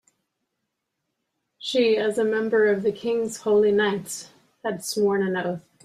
She, as a member of the king's holy knights, had sworn an oath.